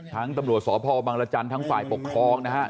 ทั้งตำรวจสมุพบังลจันทร์ทั้งฝ่ายปกครองนะครับ